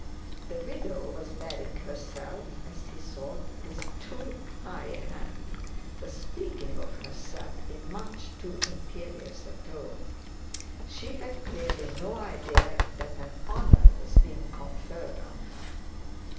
The widow was bearing herself, as he thought, with too high a hand, was speaking of herself in much too imperious a tone. She had clearly no idea that an honour was being conferred on her.